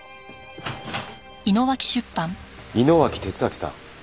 井野脇哲明さん。